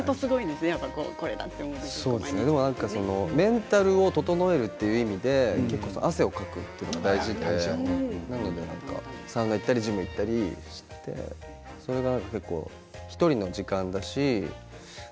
メンタルを整えるという意味で汗をかくというのが大事でサウナに行ったりジムに行ったりしてそれが１人の時間だし